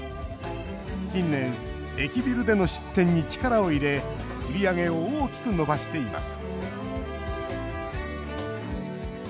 近年、駅ビルでの出店に力を入れ売り上げを大きく伸ばしています